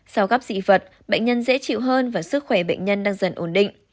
sau gắp dị vật bệnh nhân dễ chịu hơn và sức khỏe bệnh nhân đang dần ổn định